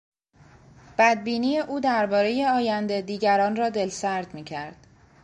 بدبینی او دربارهی آینده دیگران را دلسرد میکرد.